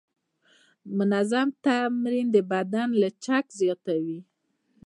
منظم تمرین د بدن لچک زیاتوي.